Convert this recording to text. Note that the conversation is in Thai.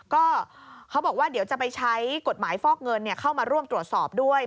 ก็เขาบอกว่าเดี๋ยวจะไปใช้กฎหมายฟอกเงินเข้ามาร่วมตรวจสอบด้วย